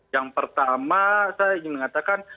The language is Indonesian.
yang pertama saya ingin mengatakan